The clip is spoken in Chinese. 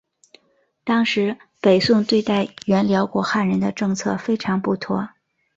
当时北宋对待原辽国汉人的政策非常不妥。